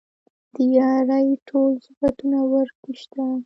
د يارۍ ټول صفتونه ورکې شته.